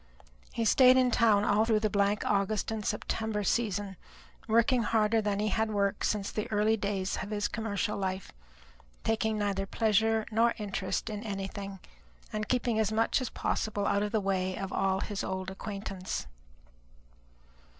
He stayed in town all through the blank August and September season, working harder than he had worked since the early days of his commercial life, taking neither pleasure nor interest in anything, and keeping as much as possible out of the way of all his old acquaintance.